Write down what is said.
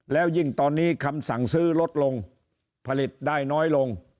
แล้วยิ่งตอนนี้คำสั่งซื้อลดลงผลิตได้น้อยลง